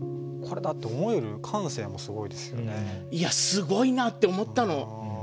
「すごいな！」って思ったの。